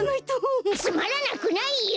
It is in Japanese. つまらなくないよ！